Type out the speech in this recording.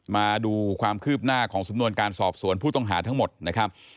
มาดูความคืบหน้าของสำนวนการสอบสวนผู้ต้องหาทั้งหมดนะครับ